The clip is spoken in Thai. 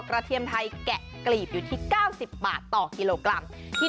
เทียมไทยแกะกลีบอยู่ที่๙๐บาทต่อกิโลกรัม